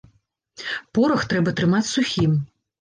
Порах трэба трымаць сухім.